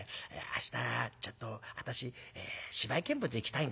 『明日ちょっと私芝居見物行きたいんですけど』。